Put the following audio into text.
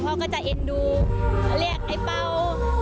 พ่อก็จะเอ็นดูเรียกไอ้เป้า